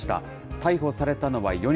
逮捕されたのは４人。